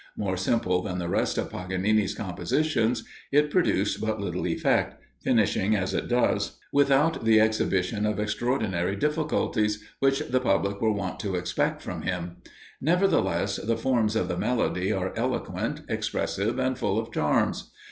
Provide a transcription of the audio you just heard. More simple than the rest of Paganini's compositions, it produced but little effect, finishing as it does without the exhibition of extraordinary difficulties, which the public were wont to expect from him; nevertheless, the forms of the melody are elegant, expressive, and full of charms.